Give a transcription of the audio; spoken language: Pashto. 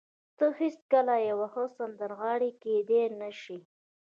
ته هېڅکله یوه ښه سندرغاړې کېدای نشې